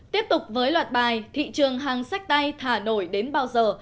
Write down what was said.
tiếp tục với loạt bài thị trường hàng sách tay thả nổi đến bao giờ